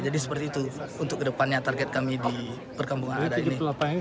jadi seperti itu untuk kedepannya target kami di perkampungan adat ini